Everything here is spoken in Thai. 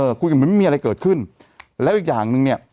คุยกันเหมือนไม่มีอะไรเกิดขึ้นแล้วอีกอย่างหนึ่งเนี่ย